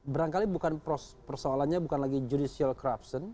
barangkali persoalannya bukan lagi judicial corruption